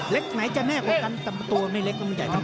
เล็กไหนจะแน่กว่ากันแต่ตัวไม่เล็กมันใหญ่ทำไม